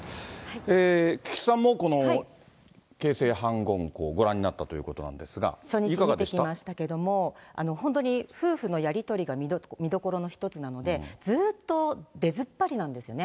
菊池さんも、この傾城反魂香、ご覧になったということなんですが、初日見てきましたけど、本当に夫婦のやり取りが見どころの一つなので、ずーっと出ずっぱりなんですね。